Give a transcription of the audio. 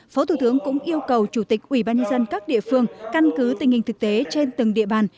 phó thủ tướng cũng yêu cầu chủ tịch ubnd các địa phương căn cứ tình hình thực tế trên từng địa bàn